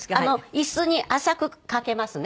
イスに浅くかけますね。